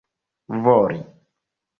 voli